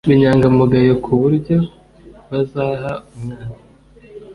b inyangamugayo ku buryo bazaha umwana